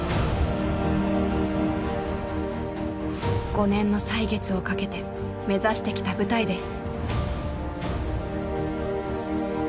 ５年の歳月をかけて目指してきた舞台です。